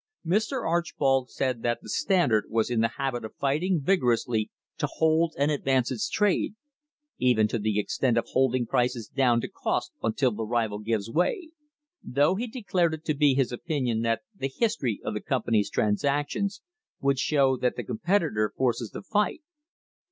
Mr. Archbold said that the Standard was in the habit of fighting vigorously to hold and advance its trade even to the extent of holding prices down to cost until the rival gives way though he declared it to be his opinion that the history of the company's transactions would show that the competitor forces the fight.